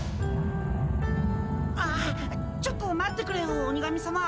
ああちょっと待ってくれよ鬼神さま。